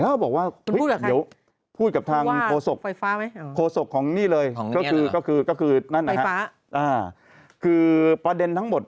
แล้วก็บอกว่าเดี๋ยวพูดกับทางโศกโฆษกของนี่เลยก็คือนั่นคือประเด็นทั้งหมด